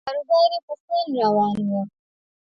کاروبار یې په خوند روان و.